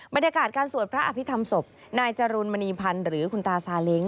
บรรยากาศการสวดพระอภิษฐรรมศพนายจรุลมณีพันธ์หรือคุณตาซาเล้ง